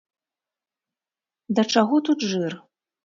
Да чаго тут жыр?